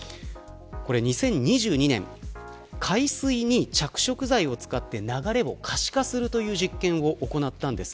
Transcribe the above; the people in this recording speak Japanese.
２０２２年、海水に着色剤を使って流れを可視化するという実験を行ったんです。